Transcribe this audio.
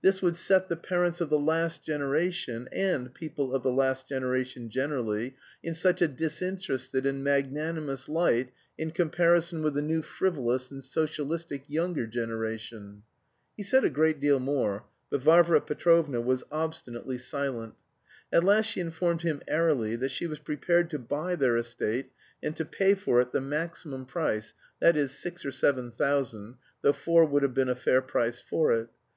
This would set the parents of the last generation and people of the last generation generally in such a disinterested and magnanimous light in comparison with the new frivolous and socialistic younger generation. He said a great deal more, but Varvara Petrovna was obstinately silent. At last she informed him airily that she was prepared to buy their estate, and to pay for it the maximum price, that is, six or seven thousand (though four would have been a fair price for it).